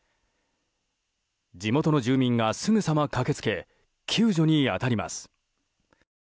地元の住民がすぐさま駆け付け救助に当たります。